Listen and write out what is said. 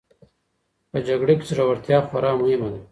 په جګړه کي زړورتیا خورا مهمه ده.